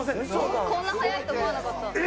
こんな早いと思わなかった。